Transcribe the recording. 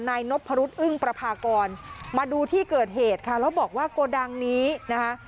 นายนพรุษอึ้งประพากรมาดูที่เกิดเหตุค่ะแล้วบอกว่าโกดังนี้นะคะ